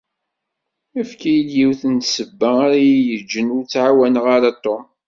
Efk-iyi-d yiwet n ssebba ara yi-yeǧǧen ur ttεawaneɣ ar Tom.